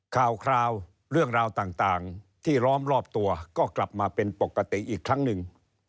ข่าวคราวเรื่องราวต่างที่ล้อมรอบตัวก็กลับมาเป็นปกติอีกครั้งหนึ่ง